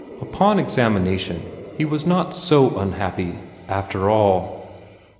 Upon examination, he was not so unhappy, after all.